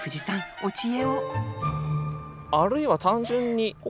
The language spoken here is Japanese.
お知恵を！